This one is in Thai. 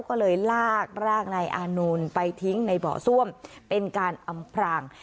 ก็เลยลากร่างนายอานนท์ไปทิ้งในเบาะซ่วมเป็นการอำพราง